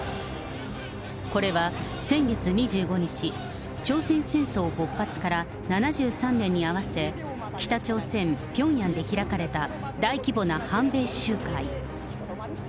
これは先月２５日、朝鮮戦争勃発から７３年に合わせ、北朝鮮・ピョンヤンで開かれた大規模な反米集会。